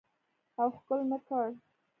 او ښکل مې کړ.